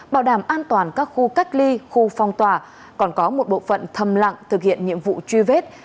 bảo đảm an toàn các khu cách ly khu phong tỏa còn có một bộ phận thầm lặng thực hiện nhiệm vụ truy vết